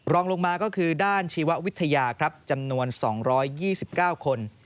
รองลงมาก็คือด้านชีววิทยาครับจำนวน๒๒๙คน